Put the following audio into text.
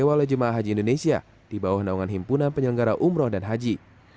dibawa oleh jemaah haji indonesia di bawah naungan himpunan penyelenggara umroh dan haji